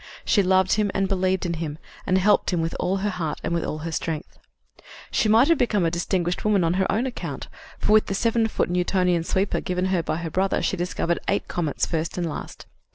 She loved him and believed in him, and helped him with all her heart and with all her strength. She might have become a distinguished woman on her own account, for with the seven foot Newtonian sweeper given her by her brother she discovered eight comets first and last.